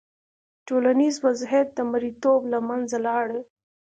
ټولنیز وضعیت د مریتوب له منځه لاړ.